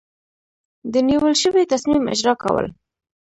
د نیول شوي تصمیم اجرا کول.